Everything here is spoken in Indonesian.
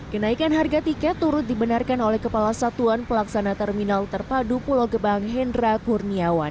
kenaikan harga tiket turut dibenarkan oleh kepala satuan pelaksana terminal terpadu pulau gebang hendra kurniawan